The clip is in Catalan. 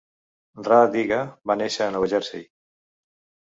Rah Digga va néixer a Nova Jersey.